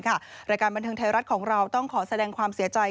รายการบันเทิงไทยรัฐของเราต้องขอแสดงความเสียใจ